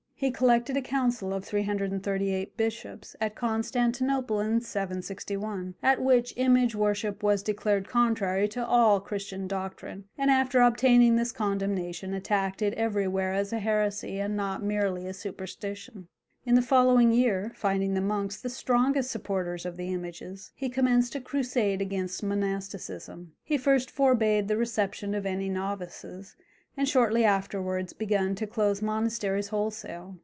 He collected a council of 338 bishops at Constantinople in 761, at which image worship was declared contrary to all Christian doctrine, and after obtaining this condemnation, attacked it everywhere as a heresy and not merely a superstition. In the following year, finding the monks the strongest supporters of the images, he commenced a crusade against monasticism. He first forbade the reception of any novices, and shortly afterwards begun to close monasteries wholesale.